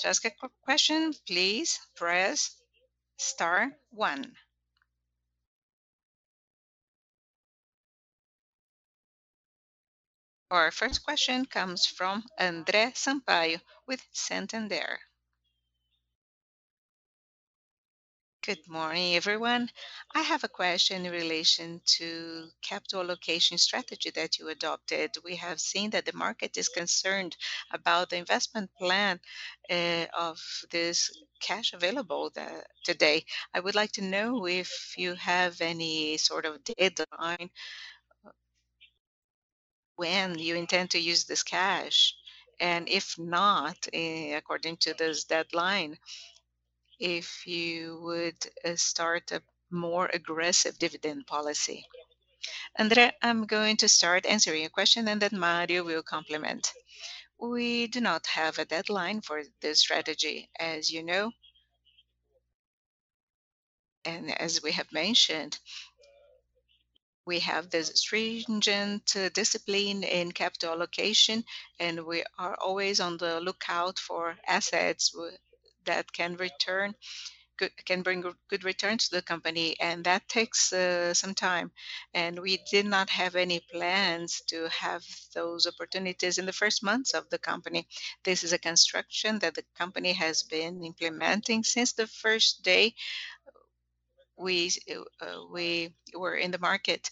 To ask a question, please press star one. Our first question comes from André Sampaio with Santander. Good morning, everyone. I have a question in relation to capital allocation strategy that you adopted. We have seen that the market is concerned about the investment plan of this cash available today. I would like to know if you have any sort of deadline when you intend to use this cash, and if not, according to this deadline, if you would start a more aggressive dividend policy. André, I'm going to start answering your question, and then Mario will complement. We do not have a deadline for this strategy, as you know. As we have mentioned, we have this stringent discipline in capital allocation, and we are always on the lookout for assets that can bring good return to the company, and that takes some time. We did not have any plans to have those opportunities in the first months of the company. This is a construction that the company has been implementing since the first day we were in the market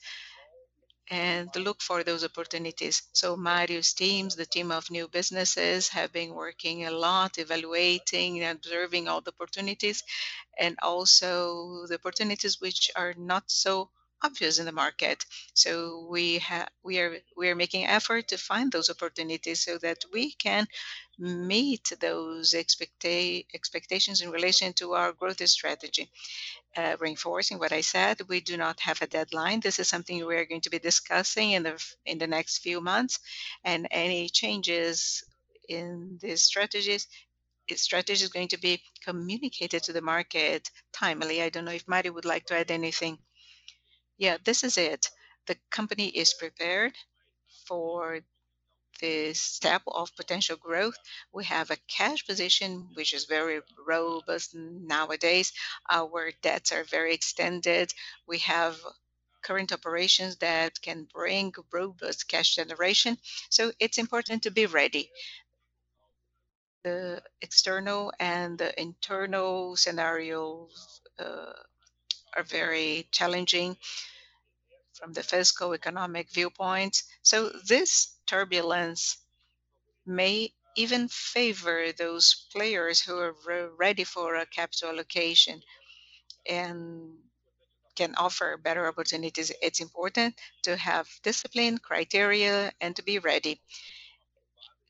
and to look for those opportunities. Mario's teams, the team of new businesses, have been working a lot, evaluating and observing all the opportunities, and also the opportunities which are not so obvious in the market. We are making effort to find those opportunities so that we can meet those expectations in relation to our growth strategy. Reinforcing what I said, we do not have a deadline. This is something we are going to be discussing in the next few months, and any changes in the strategies going to be communicated to the market timely. I don't know if Mario would like to add anything. Yeah, this is it. The company is prepared for this step of potential growth. We have a cash position which is very robust nowadays, our net debts are very extended. We have current operations that can bring robust cash generation, so it's important to be ready. The external and the internal scenarios are very challenging from the fiscal and economic viewpoint, so this turbulence may even favor those players who are ready for a capital allocation and can offer better opportunities. It's important to have discipline, criteria, and to be ready.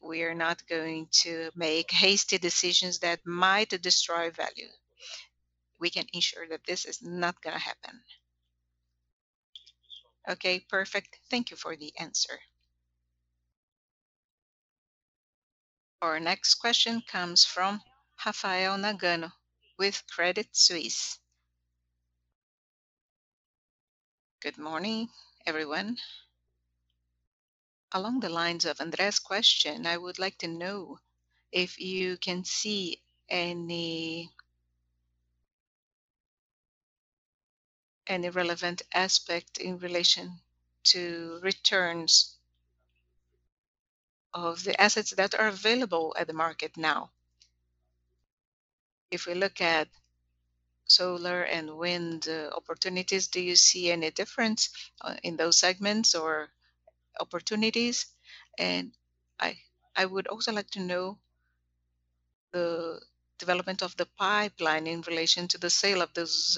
We're not going to make hasty decisions that might destroy value. We can ensure that this is not gonna happen. Okay, perfect. Thank you for the answer. Our next question comes from Rafael Nagano with Credit Suisse. Good morning, everyone. Along the lines of André's question, I would like to know if you can see any relevant aspect in relation to returns of the assets that are available in the market now. If we look at solar and wind opportunities, do you see any difference in those segments or opportunities? I would also like to know the development of the pipeline in relation to the sale of those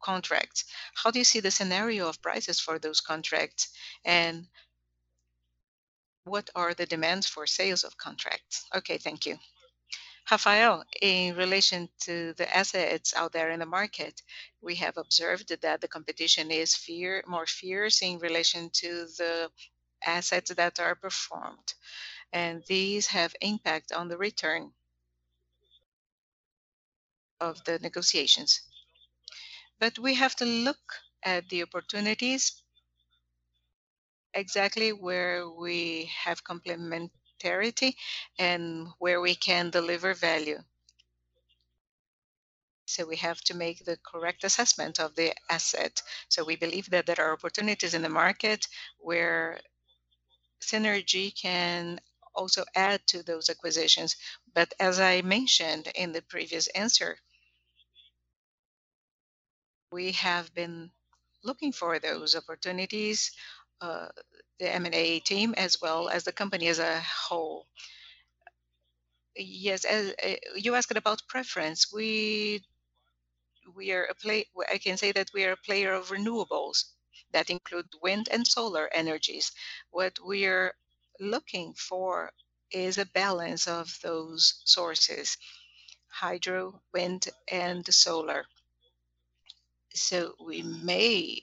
contracts. How do you see the scenario of prices for those contracts, and what are the demands for sales of contracts? Okay, thank you. Rafael, in relation to the assets out there in the market, we have observed that the competition is far more fierce in relation to the assets that are performing, and these have impact on the return of the negotiations. We have to look at the opportunities exactly where we have complementarity and where we can deliver value. We have to make the correct assessment of the asset. We believe that there are opportunities in the market where synergy can also add to those acquisitions. As I mentioned in the previous answer, we have been looking for those opportunities, the M&A team as well as the company as a whole. Yes, as you asked about preference. I can say that we are a player of renewables, that include wind and solar energies. What we're looking for is a balance of those sources, hydro, wind, and solar. We may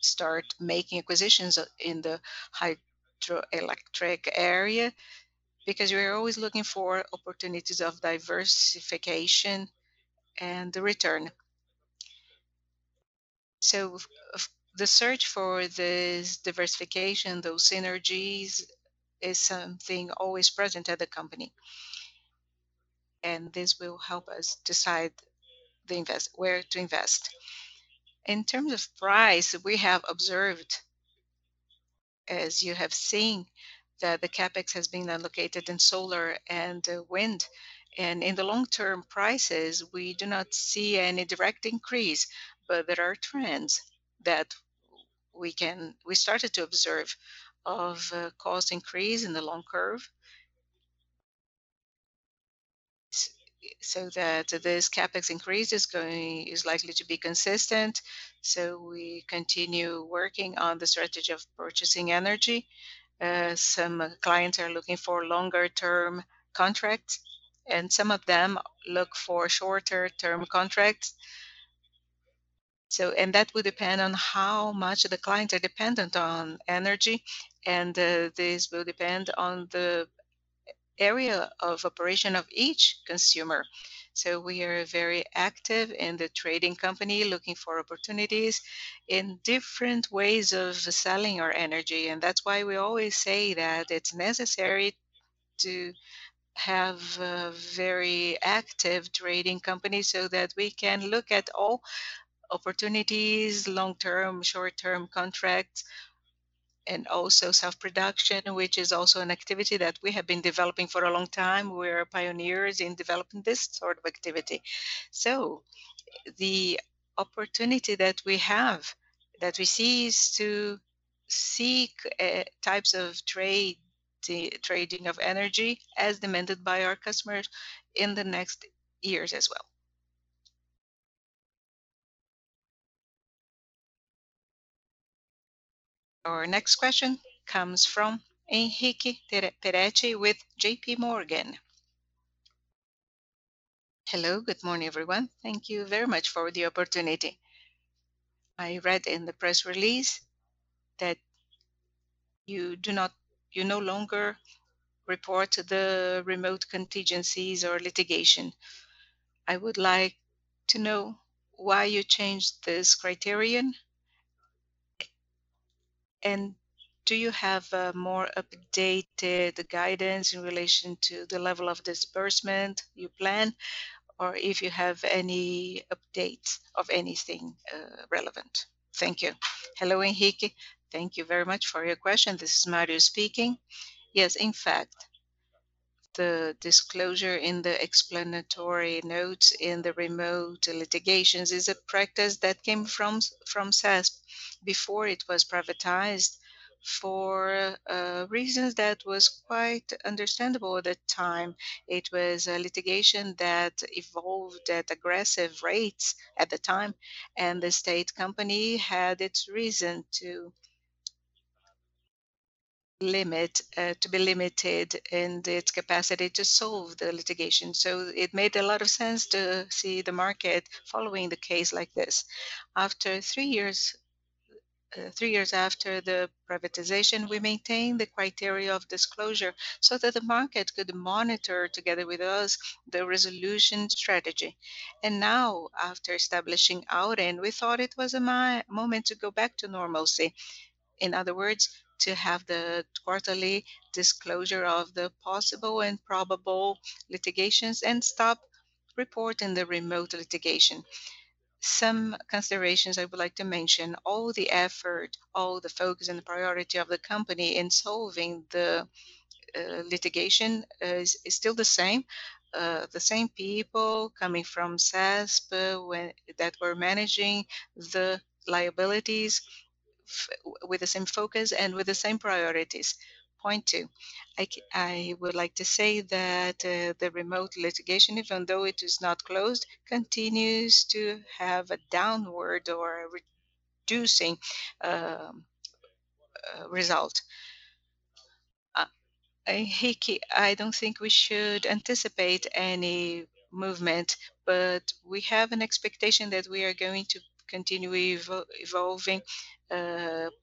start making acquisitions in the hydroelectric area because we're always looking for opportunities of diversification. The search for this diversification, those synergies, is something always present at the company. This will help us decide where to invest. In terms of price, we have observed, as you have seen, that the CapEx has been allocated in solar and wind. In the long term prices, we do not see any direct increase. There are trends that we started to observe of a cost increase in the long curve. That this CapEx increase is likely to be consistent, so we continue working on the strategy of purchasing energy. Some clients are looking for longer term contracts, and some of them look for shorter term contracts. That will depend on how much the clients are dependent on energy, and this will depend on the area of operation of each consumer. We are very active in the trading company, looking for opportunities in different ways of selling our energy. That's why we always say that it's necessary to have a very active trading company so that we can look at all opportunities, long-term, short-term contracts, and also self-production, which is also an activity that we have been developing for a long time. We're pioneers in developing this sort of activity. The opportunity that we have, that we see, is to seek types of trade, trading of energy as demanded by our customers in the next years as well. Our next question comes from Henrique Peretti with JPMorgan. Hello. Good morning, everyone. Thank you very much for the opportunity. I read in the press release that you no longer report the remote contingencies or litigation. I would like to know why you changed this criterion. Do you have a more updated guidance in relation to the level of disbursement you plan, or if you have any updates of anything relevant? Thank you. Hello, Henrique. Thank you very much for your question. This is Mario speaking. Yes, in fact, the disclosure in the explanatory notes in the remote litigations is a practice that came from CESP before it was privatized for reasons that was quite understandable at the time. It was a litigation that evolved at aggressive rates at the time, and the state company had its reason to limit to be limited in its capacity to solve the litigation. It made a lot of sense to see the market following the case like this. After three years, three years after the privatization, we maintained the criteria of disclosure so that the market could monitor together with us the resolution strategy. Now after establishing Auren, we thought it was a moment to go back to normalcy. In other words, to have the quarterly disclosure of the possible and probable litigations and stop reporting the remote litigation. Some considerations I would like to mention, all the effort, all the focus and the priority of the company in solving the litigation is still the same. The same people coming from CESP that were managing the liabilities with the same focus and with the same priorities. Point two, I would like to say that the remote litigation, even though it is not closed, continues to have a downward or reducing result. Henrique, I don't think we should anticipate any movement, but we have an expectation that we are going to continue evolving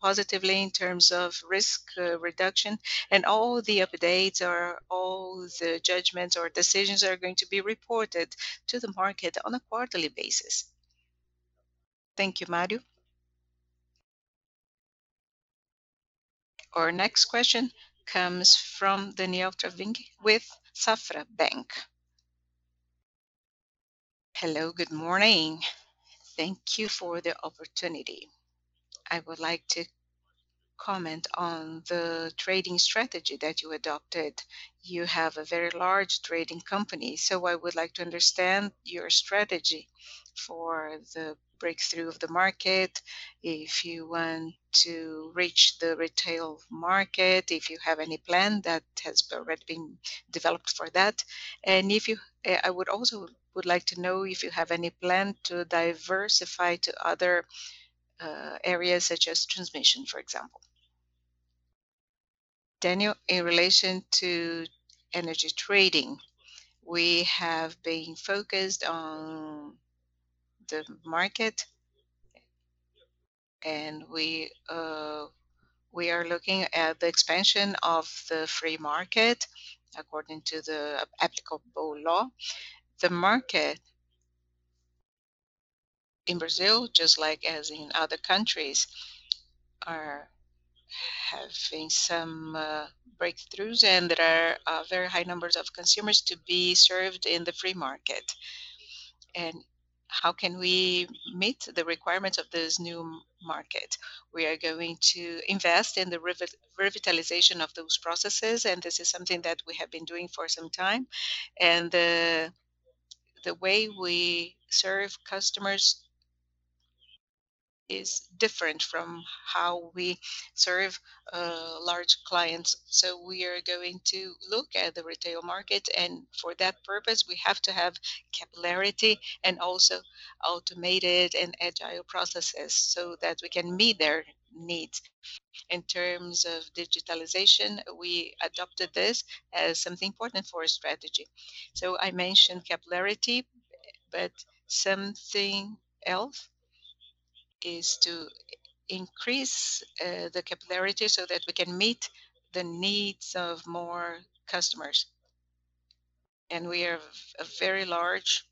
positively in terms of risk reduction. All the updates or all the judgments or decisions are going to be reported to the market on a quarterly basis. Thank you, Mario. Our next question comes from Daniel Travascos with Banco Safra. Hello, good morning. Thank you for the opportunity. I would like to comment on the trading strategy that you adopted. You have a very large trading company, so I would like to understand your strategy for the breakthrough of the market, if you want to reach the retail market, if you have any plan that has already been developed for that. I would also like to know if you have any plan to diversify to other areas such as transmission, for example. Daniel, in relation to energy trading, we have been focused on the market and we are looking at the expansion of the free market according to the applicable law. The market in Brazil, just as in other countries, is having some breakthroughs, and there are very high numbers of consumers to be served in the free market. How can we meet the requirements of this new market? We are going to invest in the revitalization of those processes, and this is something that we have been doing for some time. The way we serve customers is different from how we serve large clients. We are going to look at the retail market, and for that purpose, we have to have capillarity and also automated and agile processes so that we can meet their needs. In terms of digitalization, we adopted this as something important for our strategy. I mentioned capillarity, but something else is to increase the capillarity so that we can meet the needs of more customers. We are a very large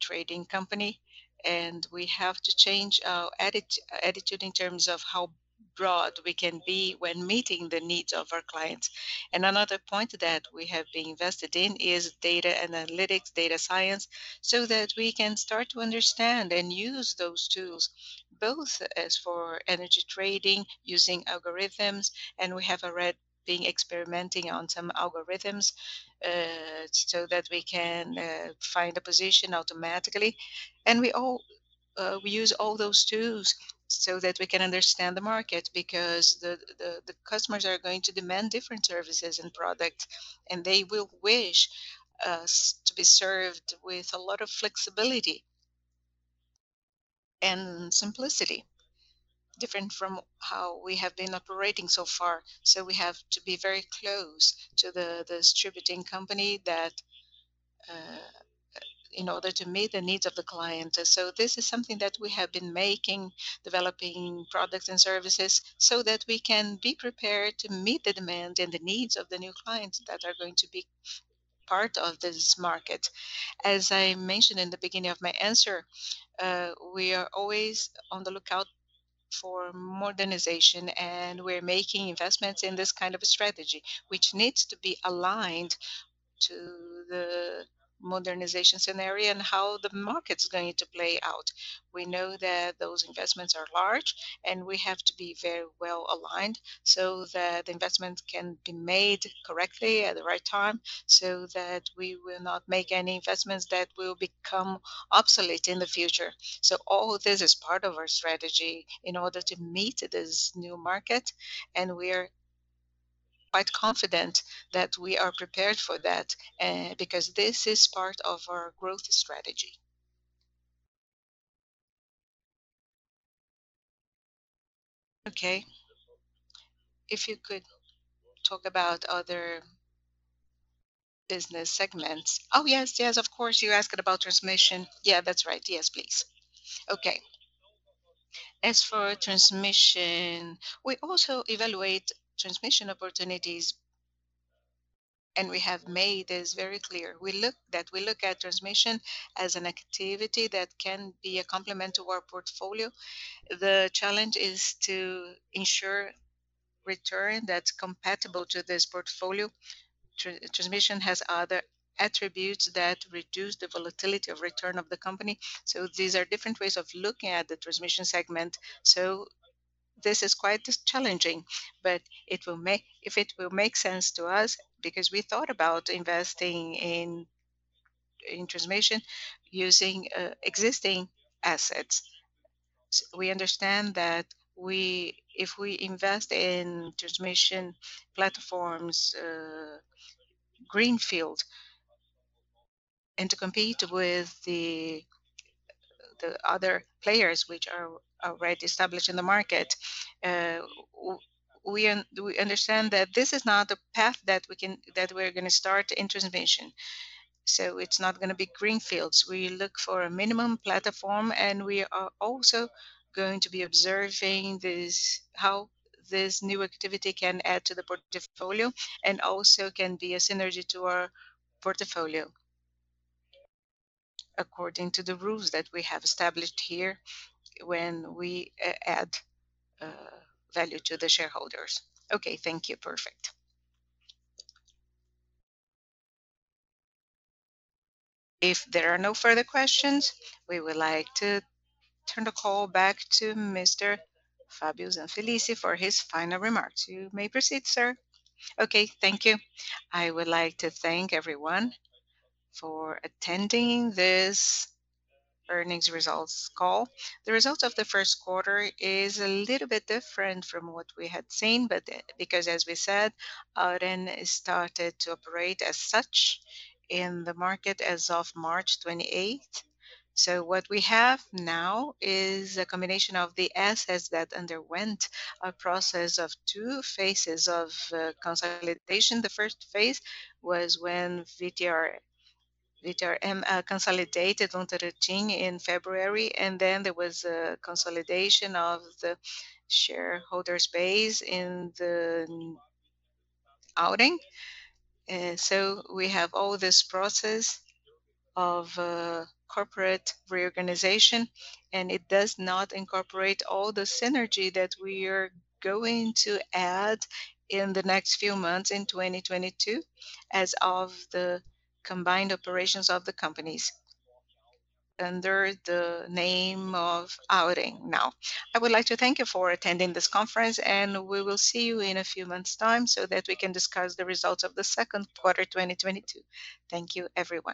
trading company, and we have to change our attitude in terms of how broad we can be when meeting the needs of our clients. Another point that we have been invested in is data analytics, data science, so that we can start to understand and use those tools, both as for energy trading using algorithms, and we have already been experimenting on some algorithms, so that we can find a position automatically. We use all those tools so that we can understand the market because the customers are going to demand different services and products, and they will wish us to be served with a lot of flexibility and simplicity, different from how we have been operating so far. We have to be very close to the distributing company that in order to meet the needs of the clients. This is something that we have been making, developing products and services so that we can be prepared to meet the demand and the needs of the new clients that are going to be part of this market. As I mentioned in the beginning of my answer, we are always on the lookout for modernization, and we're making investments in this kind of a strategy, which needs to be aligned to the modernization scenario and how the market's going to play out. We know that those investments are large, and we have to be very well aligned so that the investments can be made correctly at the right time, so that we will not make any investments that will become obsolete in the future. All of this is part of our strategy in order to meet this new market, and we are quite confident that we are prepared for that, because this is part of our growth strategy. Okay. If you could talk about other business segments. Oh, yes. Yes, of course. You're asking about transmission. Yeah, that's right. Yes, please. Okay. As for transmission, we also evaluate transmission opportunities, and we have made this very clear. We look at transmission as an activity that can be a complement to our portfolio. The challenge is to ensure return that's compatible to this portfolio. Transmission has other attributes that reduce the volatility of return of the company, so these are different ways of looking at the transmission segment. This is quite challenging, but it will make. It will make sense to us, because we thought about investing in transmission using existing assets. We understand that if we invest in transmission platforms, greenfield, and to compete with the other players which are already established in the market, we understand that this is not the path that we're gonna start in transmission. It's not gonna be greenfields. We look for a minimum platform, and we are also going to be observing this, how this new activity can add to the portfolio and also can be a synergy to our portfolio according to the rules that we have established here when we add value to the shareholders. Okay. Thank you. Perfect. If there are no further questions, we would like to turn the call back to Mr. Fábio Zanfelice for his final remarks. You may proceed, sir. Okay. Thank you. I would like to thank everyone for attending this earnings results call. The results of the first quarter is a little bit different from what we had seen, but because as we said, Auren started to operate as such in the market as of March twenty-eighth. What we have now is a combination of the assets that underwent a process of two phases of consolidation. The first phase was when VTRM consolidated onto CESP in February, and then there was a consolidation of the shareholders' base in Auren. We have all this process of a corporate reorganization, and it does not incorporate all the synergy that we are going to add in the next few months in 2022 as of the combined operations of the companies under the name of Auren now. I would like to thank you for attending this conference, and we will see you in a few months' time so that we can discuss the results of the second quarter 2022. Thank you, everyone.